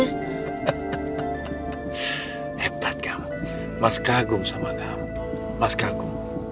hehehe hebat gam mas kagum sama gam mas kagum